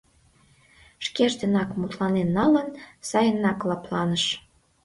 Шкеж денак мутланен налын, сайынак лыпланыш.